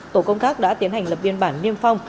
tổ công tác đã tiến hành lập biên bản niêm phong